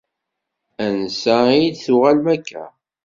Ansa ay d-tuɣalem akka?